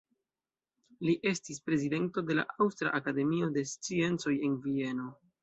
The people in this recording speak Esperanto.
Li estis prezidento de la Aŭstra Akademio de Sciencoj en Vieno.